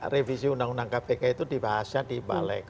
revisi undang undang kpk itu dibahasnya di balik